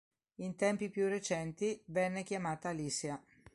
In tempi più recenti venne chiamata "Alicia".